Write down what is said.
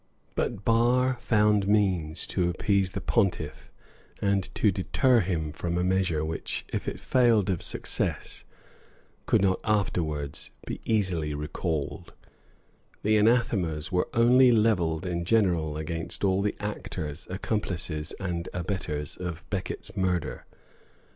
But Barre found means to appease the pontiff, and to deter him from a measure which, if it failed of success, could not afterwards be easily recalled: the anathemas were only levelled in general against all the actors, accomplices and abettors of Becket's murder.